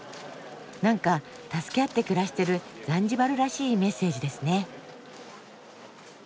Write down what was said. なんか助け合って暮らしてるザンジバルらしいメッセージですね。